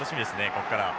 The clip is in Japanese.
ここから。